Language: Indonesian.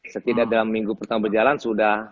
setidaknya dalam minggu pertama berjalan sudah